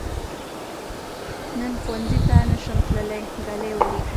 نن ښؤونځي ته نشم تللی، ږلۍ وریږي.